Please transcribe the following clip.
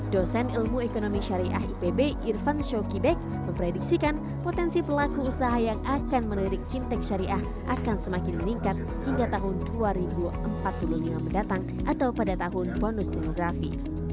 dosen ilmu ekonomi syariah ipb irfan show kibek memprediksikan potensi pelaku usaha yang akan melirik fintech syariah akan semakin meningkat hingga tahun dua ribu empat puluh lima mendatang atau pada tahun bonus demografi